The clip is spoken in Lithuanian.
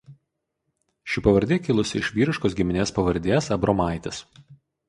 Ši pavardė kilusi iš vyriškos giminės pavardės Abromaitis.